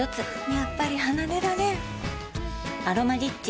やっぱり離れられん「アロマリッチ」